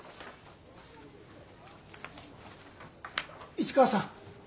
市川さん！